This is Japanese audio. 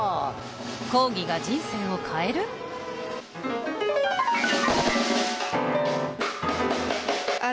講義が人生を変える？ＯＫ、ＯＫ。